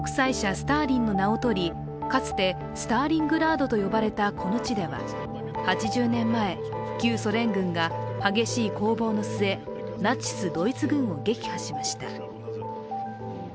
スターリンの名をとりかつてスターリングラードと呼ばれたこの地では８０年前、旧ソ連軍が激しい攻防の末、ナチス・ドイツ軍を撃破しました。